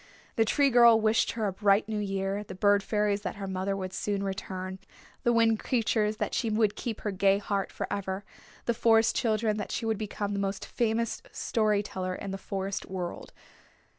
The Tree Girl wished her a bright new year, the Bird Fairies that her mother would soon return, the Wind Creatures that she would keep her gay heart forever, the Forest Children that she would become the most famous story teller in the Forest World.